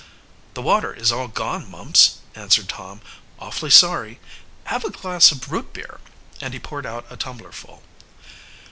"The water is all gone, Mumps," answered Tom. "Awfully sorry. Have a glass of root beer," and he poured out a tumbler full.